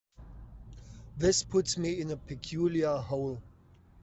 This puts me in a peculiar hole.